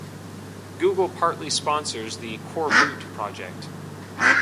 Google partly sponsors the coreboot project.